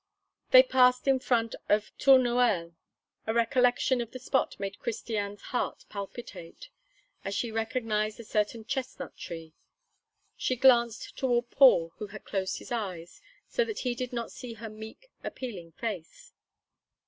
They passed in front of Tournoel. A recollection of the spot made Christiane's heart palpitate, as she recognized a certain chestnut tree. She glanced toward Paul, who had closed his eyes, so that he did not see her meek, appealing face.